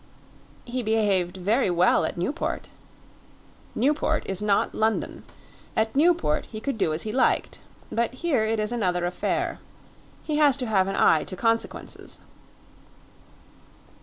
"He behaved very well at Newport." "Newport is not London. At Newport he could do as he liked; but here it is another affair. He has to have an eye to consequences."